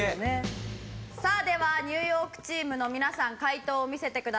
さあではニューヨークチームの皆さん解答を見せてください。